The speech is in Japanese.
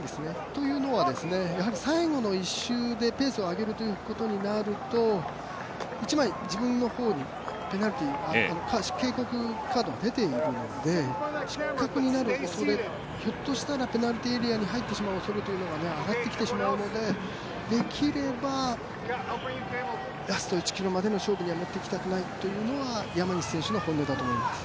というのは最後の１周でペースを上げるということになると１枚、自分のほうにペナルティー、警告カードが出ているので失格になるおそれ、ひょっとしたらペナルティエリアに入ってしまう可能性が上がってきてしまうので、できればラスト１ｋｍまでの勝負に持っていきたくないというのが山西選手の本音だと思います。